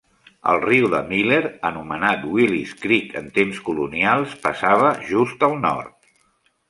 El riu de Miller, anomenat Willis Creek en temps colonials, passava just al nord.